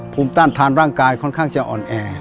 ต้านทานร่างกายค่อนข้างจะอ่อนแอ